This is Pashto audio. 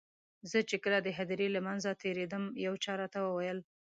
زه چې کله د هدیرې له منځه تېرېدم یو چا راته وویل.